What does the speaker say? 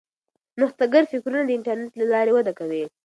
نوښتګر فکرونه د انټرنیټ له لارې وده کوي.